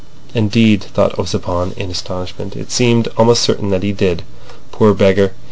Indeed, thought Ossipon, in astonishment, it seemed almost certain that he did! Poor beggar!